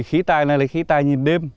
khí tài này là khí tài nhìn đêm